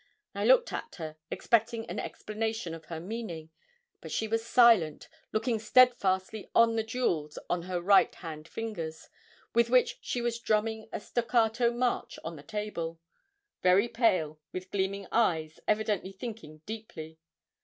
I looked at her, expecting an explanation of her meaning; but she was silent, looking steadfastly on the jewels on her right hand fingers, with which she was drumming a staccato march on the table, very pale, with gleaming eyes, evidently thinking deeply.